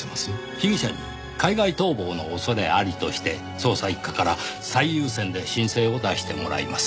被疑者に海外逃亡の恐れありとして捜査一課から最優先で申請を出してもらいます。